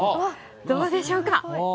どうでしょうか。